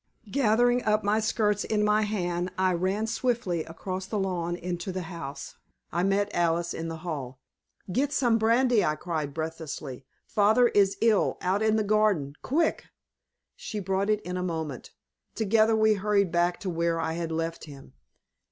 Gathering up my skirts in my hand, I ran swiftly across the lawn into the house. I met Alice in the hall. "Get some brandy!" I cried, breathlessly. "Father is ill out in the garden! Quick!" She brought it in a moment. Together we hurried back to where I had left him.